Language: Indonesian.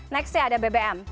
nextnya ada bbm